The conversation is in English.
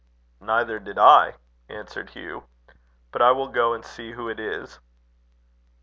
"Neither did I," answered Hugh. "But I will go and see who it is."